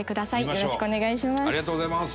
よろしくお願いします。